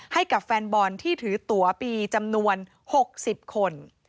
ให้กับแฟนบอลที่ถือตัวปีจำนวน๖๐คน